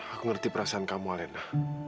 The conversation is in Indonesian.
aku ngerti perasaan kamu alena